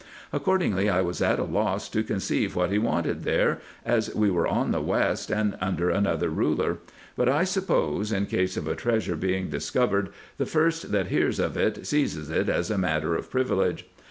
Accordingly I was at a loss to conceive what he wanted there, as we were on the west, and under another ruler ; but I sup pose, in case of a treasure being discovered, the first that hears of it seizes it as a matter of privilege.